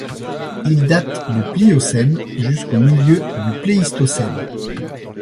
Il date du Pliocène jusqu'au milieu du Pléistocène.